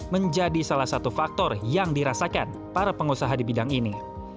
menjadi salah satu faktor yang dirasakan para pengusaha di bidang ini